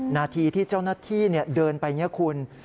นาทีที่เจ้าหน้าที่เดินไปเงียบคุณ